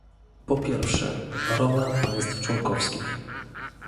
Po pierwsze, rola państw członkowskich